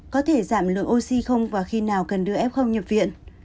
có thể giảm lượng oxy không và khi nào cần đưa f nhập viện